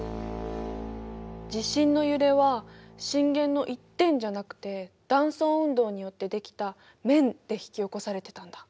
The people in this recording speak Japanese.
地震の揺れは震源の一点じゃなくて断層運動によって出来た面で引き起こされてたんだ。